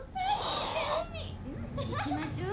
うん行きましょう。